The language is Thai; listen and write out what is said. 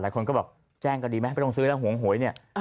คนก็แบบแจ้งก็ดีไหมไม่ต้องซื้อแล้วหวงหวยเนี่ย